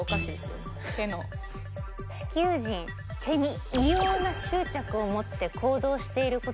地球人毛に異様な執着を持って行動していることが分かりました。